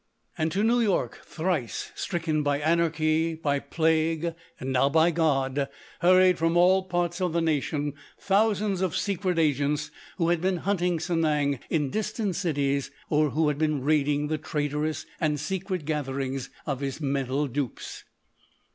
And to New York, thrice stricken by anarchy, by plague, and now by God, hurried, from all parts of the nation, thousands of secret agents who had been hunting Sanang in distant cities or who had been raiding the traitorous and secret gatherings of his mental dupes.